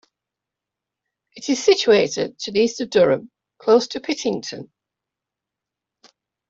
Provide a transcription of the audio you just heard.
It is situated to the east of Durham, close to Pittington.